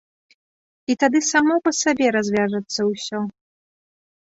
І тады само па сабе развяжацца ўсё.